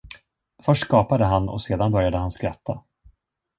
Först gapade han och sedan började han skratta.